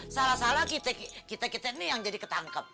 salah salah kita kita ini yang jadi ketangkep